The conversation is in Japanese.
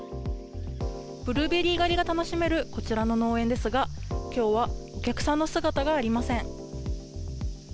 ブルーベリー狩りが楽しめるこちらの農園ですが、きょうはお客さんの姿がありません。